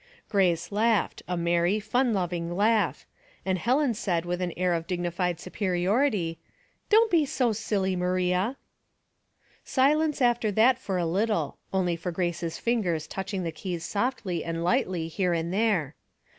Grace laughed, a merry, fun loving laugh, and Helen said with an air of dignified superiority, —" Don't be so silly, Maria." Silence after that for a little, only for Grace's fingers touching the keys softly and lightly here and there.